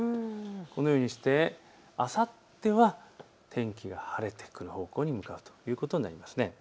このようにして、あさっては天気が晴れてくる方向に向かうということになります。